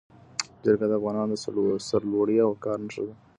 جرګه د افغانانو د سرلوړۍ او وقار نښه ده.